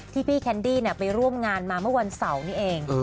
พี่แคนดี้ไปร่วมงานมาเมื่อวันเสาร์นี้เอง